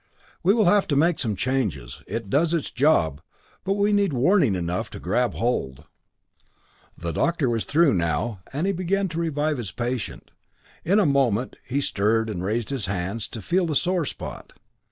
We will have to make some changes. It does its job but we need warning enough to grab hold." The doctor was through now, and he began to revive his patient. In a moment he stirred and raised his hand to feel the sore spot.